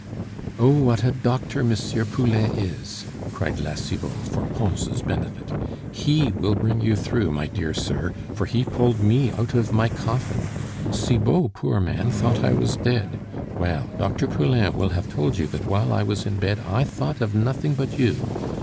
"Oh, what a doctor M. Poulain is!" cried La Cibot, for Pons' benefit. "He will bring you through, my dear sir, for he pulled me out of my coffin! Cibot, poor man, thought I was dead.... Well, Dr. Poulain will have told you that while I was in bed I thought of nothing but you.